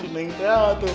neng teh apa tuh